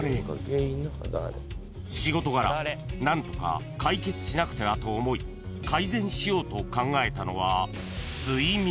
［仕事柄何とか解決しなくてはと思い改善しようと考えたのは］